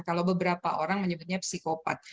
kalau beberapa orang menyebutnya psikopat